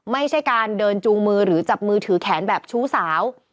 ไม่ใช่การเดินจูงมือหรือจับมือถือแขนแบบชู้สาว